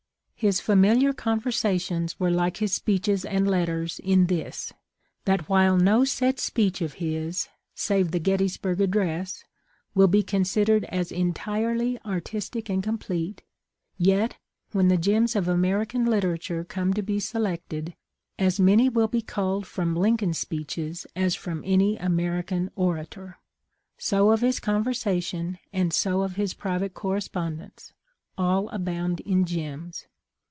" His familiar conversations were like his speeches and letters in this : that while no set speech of his (save the Gettysburg address) will be considered as entirely artistic and complete, yet, when the gems of American literature come to be selected, as many will be culled from Lincoln's speeches as from any American orator. So of his conversation, and so of his private correspondence ; all abound in gems.